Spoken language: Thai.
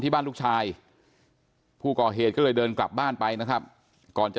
บ้านลูกชายผู้ก่อเหตุก็เลยเดินกลับบ้านไปนะครับก่อนจะ